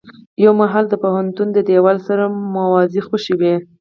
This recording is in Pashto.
يو مهال د پوهنتون د دېوال سره موازي خوشې و.